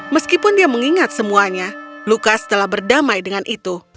meskipun dia mengingat semuanya lukas telah berdamai dengan itu